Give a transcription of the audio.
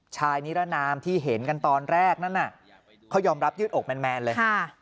ชายนิรนามที่เห็นกันตอนแรกนั้นเขายอมรับยืดอกแมนเลย